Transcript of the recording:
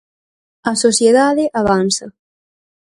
A sociedade avanza.